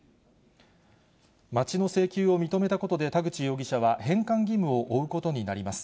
町の請求を認めたことで、田口容疑者は返還義務を負うことになります。